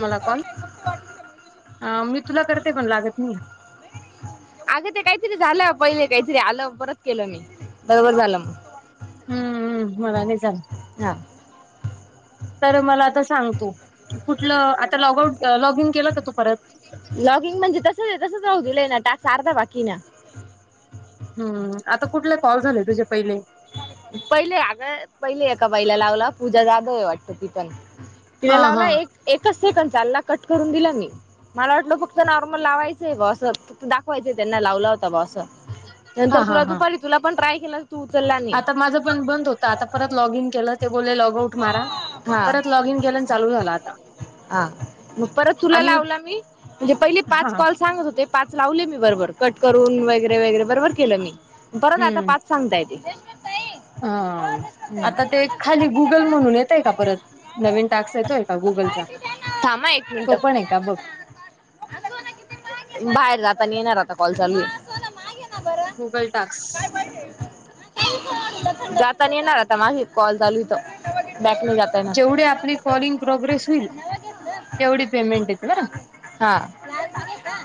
मला कॉल अ मी तुला करते, पण लागत नाही. अगं ते काहीतरी झालं. पहिले काहीतरी आलं. परत केलं मी. बरोबर झालं मग. हम्म हम्म मला नाही चालत. हा तर मला आता सांग तु. कुठलं आता लॉग आउट लॉग इन केलं का तू परत. लॉगिंग म्हणजे तसच तसच राहू दिल आहे ना. टास्क अर्धा बाकी आहे ना‌. हम्म आता कुठले कॉल झाले तुझे पहिले. पहिले अग पहिले एका बाईला लावला. पूजा जाधव आहे वाटत तीच नाव. तिला हा हा लावला. एक एकच सेकंद चालला कट करून दिला मी. मला वाटल फक्त नॉर्मल लावायचंय बवा असं. फक्त दाखवायचंय त्यांना लावला होता बवा अस. हा नंतर हा तुला हा दुपारी तुला पण ट्राय केला तू उचल नाही. आता माझं पण बंद होत. आता परत लॉग इन केलं. ते बोलले लॉग आउट मारा. हा. परत लॉग इन केल्यान चालू झाला आता. हा मग परत तुला आणि लावला मी म्हणजे पहिले हा पाच कॉल सांगत होते. पाच लावले मी बरोबर कट करून वगैरे वगैरे बरोबर केलं, मी परत आता हम्म पाच सांगताय ते. हा. आता ते खाली गुगल म्हणून येतंय का परत, नवीन टास्क येतोय का गुगलचा. थांबा एक मिनिट तो पण आहे का बघ [unintelligible] बाहेर जाते. कॉल चालू, गुगल टास्क [unintelligible] जाता येणार आता माही कॉल चालू इथं. बॅकने जाता येणार जेवढे आपले कॉलिंग प्रोग्रेस होईल. तेवढी पेमेंट येते बरं हा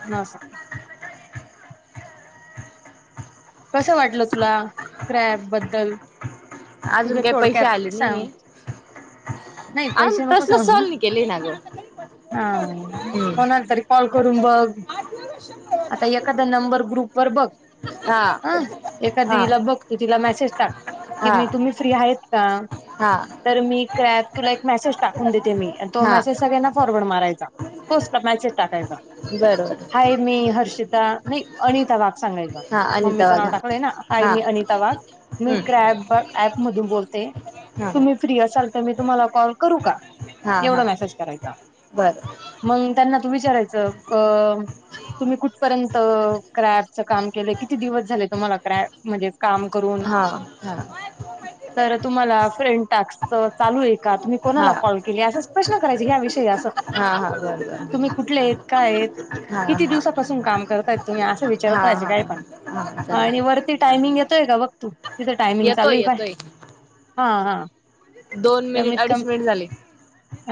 म, कसं वाटलं तुला क्रॅप बद्दल, अजून तुझ्या काही पैसे थोडक्यात आले सांग. नाहीये नाही अजून पैसे नको प्रश्न सांगू, सॉल्व नाही केले ना ग हा हम्म कोणाला तरी कॉल करून बघ. आता एखादा नंबर ग्रुप वर बघ. हा एखादी हा तिला बघतो तिला मेसेज टाक कि हा मी तुम्ही फ्री आहेत का? हा तर मी क्रॅ तुला एक मेसेज टाकून देते मी तो हा मेसेज सगळ्यांना फॉरवर्ड मार, मेसेज टाकायचा बरोबर हाय मी हर्षिता नाही अनिता वा सांगायचे हा अनिता मम्मीचं वाघ नाव हा टाकलं ना हाय हा मी अनिता वाघ मी हम्म क्रॅप ॲप मधून बोल. ते हा तुम्ही फ्री असाल तर मी तुम्हाला कॉल करू का? हा हा एवढा मेसेज करायचा, बर मग त्यांना विचारायच तुम्ही कुठपर्यंत क्रप चं काम केलं. किती दिवस झाले तुम्हाला क्रप म्हणजे, काम करून हा हा तर, तुम्हाला फ्रेंड टास्क चालू आहे का तुम्ही हा कोणाला कॉल केली असं प्रश्न करायचे ह्या विषय असं, हा हा बरोबर तुम्ही कुठले आहेत काय आहेत? हा किती हा दिवसापासून काम करताय, तुम्ही असं विचारत हा राहायचं हा काय पण. हा आणि चालेल वरती टायमिंग येतोय, का बघ तू तिथे टायमिंग चालू येतोय आहे पाहयं. येतोय हा हा दोन मिनिट कमीत अडीच कमी मिनिट झाले.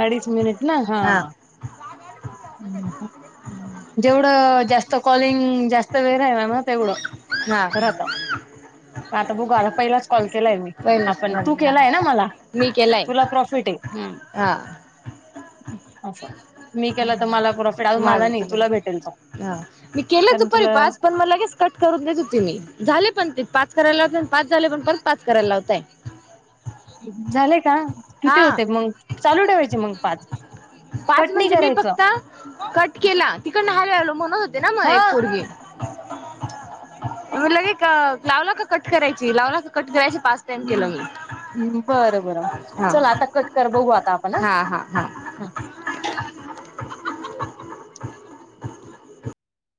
अडीच मिनिट ना हा, जेवढं जास्त कॉलिंग जास्त वेळ राहिला ना तेवढं, हा राहत आता बघ आला पहिलाच कॉल, [unintelligible] केलाय मी हा पहिलंच पण तू प्रॉब्लेम केलाय नं मला मी केलाय तुला प्रॉफिट, हा असं मी केलं तर मला, प्रॉफिट अजून मा मला नाही तुला भेटेल तो मी केले कारण दुपारी तुला पाच पण म लगेच कट करून द्या, झाले पण ते पाच करायला लावते, पाच झाले पण परत पाच करायला लावताय. झालेय का किती हा होते, मग चालू ठेवायचे मग पाच. पाच कट नाही म्हणजे मी करायचं फक्त कट केला, तिकड न म्हणत होते ना मग हा एक पोरगी, म्हलंे लावलं का कट करायच. [unintelligible] शिलावला कट करायच पाच टाइम केलं मी बरं बरं हा, चल आता कट कर बघू आता आपण हा हा, हा, ह